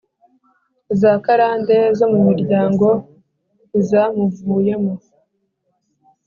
Zakarande zo mumiryango ntizamuvuyemo